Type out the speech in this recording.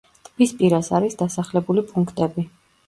ტბის პირას არის დასახლებული პუნქტები.